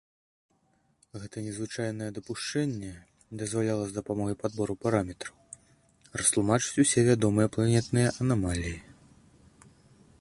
Гэта незвычайнае дапушчэнне дазваляла з дапамогай падбору параметраў растлумачыць усе вядомыя планетныя анамаліі.